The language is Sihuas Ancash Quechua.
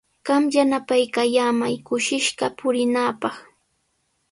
Qam yanapaykallamay kushishqa purinaapaq.